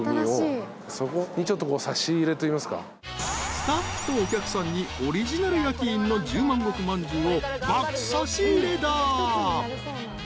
［スタッフとお客さんにオリジナル焼き印の十万石まんじゅうを爆差し入れだ］